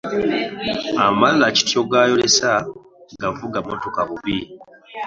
Amalala kityo gaayolesa ngavuga motoka mabi!